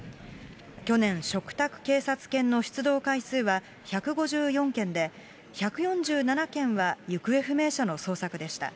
去年、嘱託警察犬の出動回数は１５４件で、１４７件は行方不明者の捜索でした。